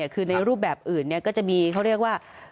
คือในรูปแบบอื่นก็จะมีเขาเรียกว่า